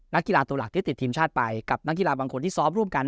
นักกีฬาตัวหลักที่ติดทีมชาติไปกับนักกีฬาบางคนที่ซ้อมร่วมกัน